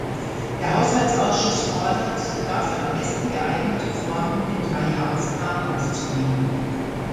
Der Haushaltsausschuss fordert, die dafür am besten geeignete Form in den Dreijahresplan aufzunehmen.